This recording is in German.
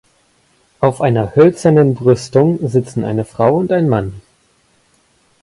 Auf einer hölzernen Brüstung sitzen eine Frau und ein Mann.